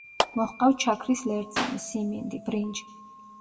მოჰყავთ შაქრის ლერწამი, სიმინდი, ბრინჯი.